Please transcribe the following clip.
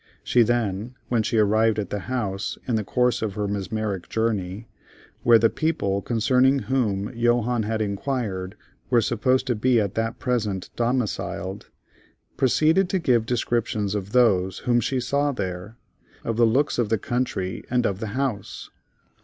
She then, when she arrived at the house, in the course of her mesmeric journey, where the people concerning whom Johannes had inquired were supposed to be at that present domiciled, proceeded to give descriptions of those whom she saw there, of the looks of the country and of the house.